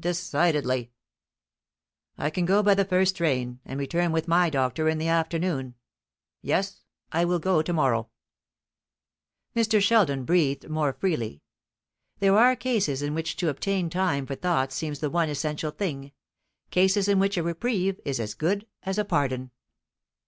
"Decidedly." "I can go by the first train, and return with my doctor in the afternoon. Yes, I will go tomorrow." Mr. Sheldon breathed more freely. There are cases in which to obtain time for thought seems the one essential thing cases in which a reprieve is as good as a pardon.